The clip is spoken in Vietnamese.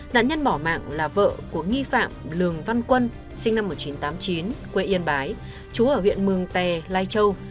nạn nhân bỏ mạng là vợ của nghi phạm lường văn quân sinh năm một nghìn chín trăm tám mươi chín quê yên bái chú ở huyện mường tè lai châu